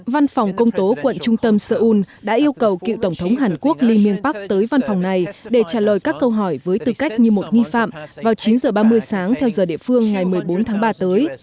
văn phòng công tố quận trung tâm seoul đã yêu cầu cựu tổng thống hàn quốc lee myêng park tới văn phòng này để trả lời các câu hỏi với tư cách như một nghi phạm vào chín h ba mươi sáng theo giờ địa phương ngày một mươi bốn tháng ba tới